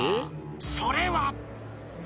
［それは］